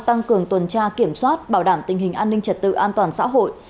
tăng cường tuần tra kiểm soát bảo đảm tình hình an ninh trật tự an toàn xã hội